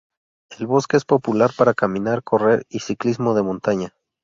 El bosque es popular para caminar, correr y ciclismo de montaña.